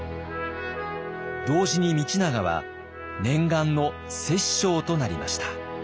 同時に道長は念願の摂政となりました。